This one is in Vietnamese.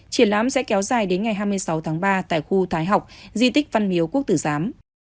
triển lãm sẽ kéo dài đến ngày hai mươi sáu tháng ba tại khu thái học di tích văn miếu quốc tử giám